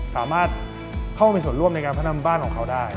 สามารถเข้ามามีส่วนร่วมในการพัฒนาบ้านของเขาได้